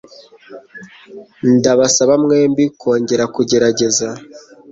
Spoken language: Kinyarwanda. Ndabasaba mwembi kongera kugerageza.